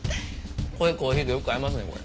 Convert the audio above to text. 濃いコーヒーとよく合いますねこれ。